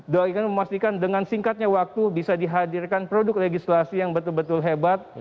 doa ingin memastikan dengan singkatnya waktu bisa dihadirkan produk legislasi yang betul betul hebat